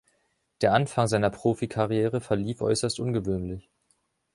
Der Anfang seiner Profikarriere verlief äußerst ungewöhnlich.